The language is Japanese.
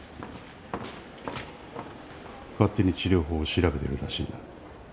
勝手に治療法を調べてるらしいな。